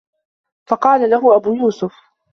فَقَالَ لَهُ أَبُو يُوسُفَ